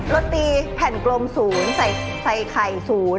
โรตีแผ่นกลม๐ใส่ไข่๐